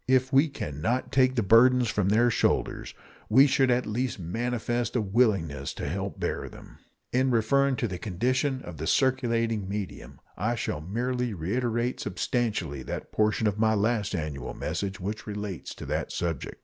If we can not take the burdens from their shoulders, we should at least manifest a willingness to help to bear them. In referring to the condition of the circulating medium, I shall merely reiterate substantially that portion of my last annual message which relates to that subject.